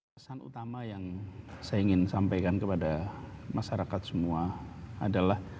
pesan utama yang saya ingin sampaikan kepada masyarakat semua adalah